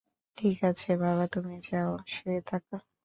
ঠিক আছে বাবা, তুমি যাও, শুয়ে থাক।